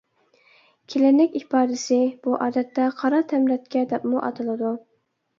كىلىنىك ئىپادىسى: بۇ ئادەتتە قارا تەمرەتكە دەپمۇ ئاتىلىدۇ.